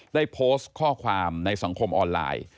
ได้โพสต์ข้อความในสังคมออนไลน์